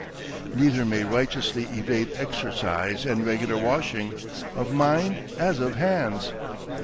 Neither may righteously evade exercise and regular washing of mind as of hands.